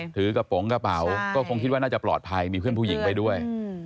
ถือกระโปรงกระเป๋าก็คงคิดว่าน่าจะปลอดภัยมีเพื่อนผู้หญิงไปด้วย